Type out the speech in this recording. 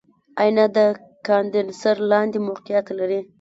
آئینه د کاندنسر لاندې موقعیت لري.